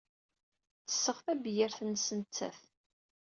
Ttesseɣ tabyirt-nnes nettat.